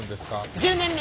１０年目。